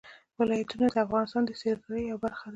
ولایتونه د افغانستان د سیلګرۍ یوه برخه ده.